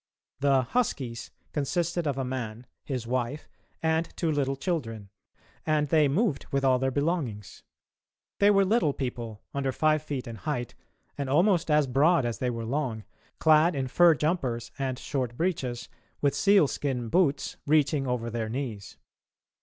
The "huskies" consisted of a man, his wife, and two little children, and they moved with all their belongings. They were little people, under five feet in height and almost as broad as they were long, clad in fur jumpers and short breeches with sealskin boots reaching over their knees.